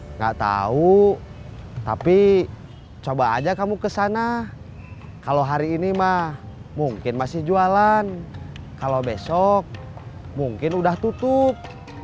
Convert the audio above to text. nggak tahu tapi coba aja kamu ke sana kalau hari ini mah mungkin masih jualan kalau besok mungkin udah tutup